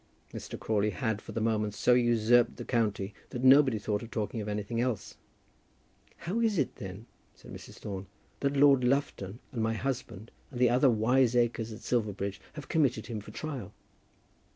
Mr. Crawley had for the moment so usurped the county that nobody thought of talking of anything else. "How is it, then," said Mrs. Thorne, "that Lord Lufton, and my husband, and the other wiseacres at Silverbridge, have committed him for trial?"